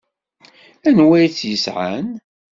Anwa i t-yesɛan?